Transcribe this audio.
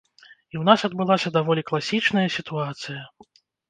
І ў нас адбылася даволі класічная сітуацыя.